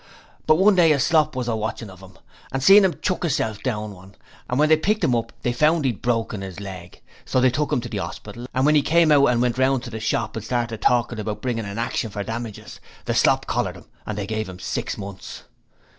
But one day a slop was a watchin' of 'im, and seen 'im chuck 'isself down one, and when they picked 'im up they found he'd broke his leg. So they took 'im to the 'orspital and when he came out and went round to the shop and started talkin' about bringin' a action for damages, the slop collared 'im and they give 'im six months.'